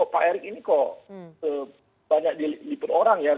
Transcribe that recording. pak erick ini kok banyak diliput orang ya